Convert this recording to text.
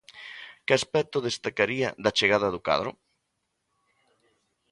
Que aspecto destacaría da chegada do cadro?